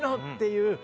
っていう。